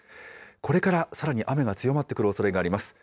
これからさらに雨が強まってくるおそれがあります。